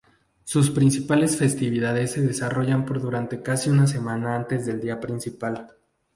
Sus principales festividades se desarrollan por durante casi una semana antes del día principal.